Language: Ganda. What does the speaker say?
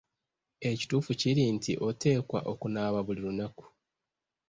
Ekituufu kiri nti oteekwa okunaaba buli lunaku.